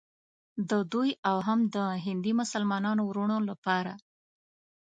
د دوی او هم د هندي مسلمانانو وروڼو لپاره.